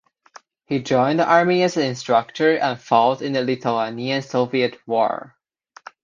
He joined the army as an instructor and fought in the Lithuanian–Soviet War.